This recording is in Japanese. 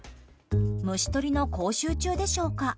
虫とりの講習中でしょうか？